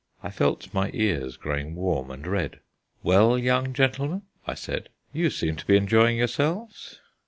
I felt my ears growing warm and red. "Well, young gentlemen," I said, "you seem to be enjoying yourselves."